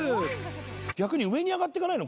逆に上に上がってかないの？